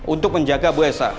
untuk menjaga bu elsa